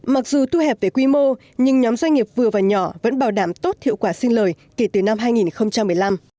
mặc dù thu hẹp về quy mô nhưng nhóm doanh nghiệp vừa và nhỏ vẫn bảo đảm tốt hiệu quả xin lời kể từ năm hai nghìn một mươi năm